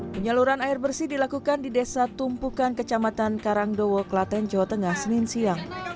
penyaluran air bersih dilakukan di desa tumpukan kecamatan karangdowo klaten jawa tengah senin siang